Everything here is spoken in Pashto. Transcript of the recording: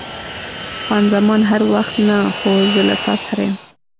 خان زمان: هر وخت نه، خو زه له تا سره یم.